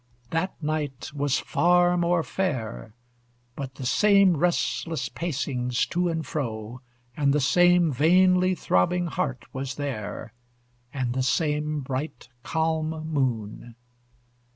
That night was far more fair But the same restless pacings to and fro, And the same vainly throbbing heart was there, And the same bright, calm moon.